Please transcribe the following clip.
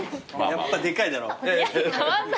やっぱでかいだろ。